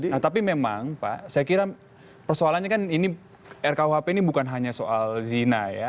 nah tapi memang pak saya kira persoalannya kan ini rkuhp ini bukan hanya soal zina ya